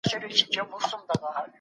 ولسي جرګه به د صنعتکارانو ستونزې اوري.